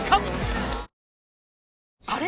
あれ？